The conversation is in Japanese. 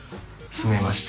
住めました。